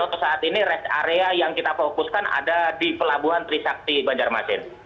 untuk saat ini rest area yang kita fokuskan ada di pelabuhan trisakti banjarmasin